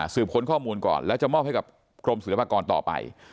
ค้นข้อมูลก่อนแล้วจะมอบให้กับกรมศิลปากรต่อไป